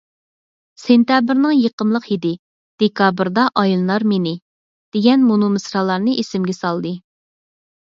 «سېنتەبىرنىڭ يېقىملىق ھىدى، دېكابىردا ئايلىنار مېنى» دېگەن مۇنۇ مىسرالارنى ئېسىمگە سالدى.